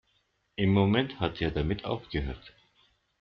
Im Moment hat er damit aufgehört!